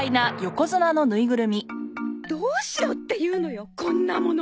どうしろっていうのよこんなもの！